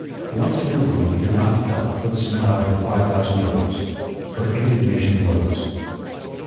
Once in her room he could not help but smell out her five thousand dollars. Her indignation rose.